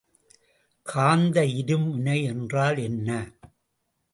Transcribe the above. காந்த இருமுனை என்றால் என்ன?